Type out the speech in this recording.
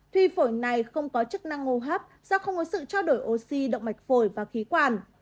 thuy phổi này không có chức năng hô hấp do không có sự trao đổi oxy động mạch phổi và khí quản